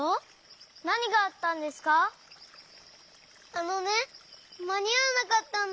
あのねまにあわなかったんだ。